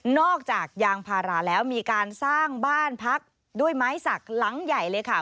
จากยางพาราแล้วมีการสร้างบ้านพักด้วยไม้สักหลังใหญ่เลยค่ะ